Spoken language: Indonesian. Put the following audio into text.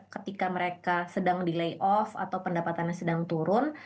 ketika mereka sedang di lay off atau pendapatannya sedang turun